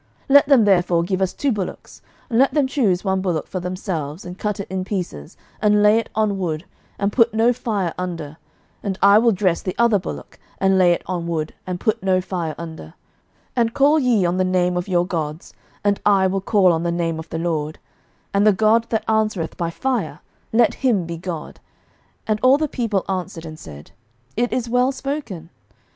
11:018:023 Let them therefore give us two bullocks; and let them choose one bullock for themselves, and cut it in pieces, and lay it on wood, and put no fire under: and I will dress the other bullock, and lay it on wood, and put no fire under: 11:018:024 And call ye on the name of your gods, and I will call on the name of the LORD: and the God that answereth by fire, let him be God. And all the people answered and said, It is well spoken.